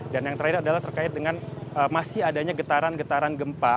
dan yang terakhir adalah terkait dengan masih adanya getaran getaran gempa